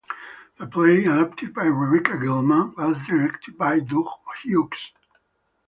The play, adapted by Rebecca Gilman, was directed by Doug Hughes.